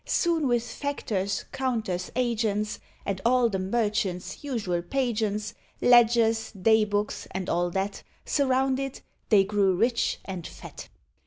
Soon with factors, counters, agents, And all the merchants' usual pageants, Ledgers, day books, and all that, Surrounded, they grew rich and fat.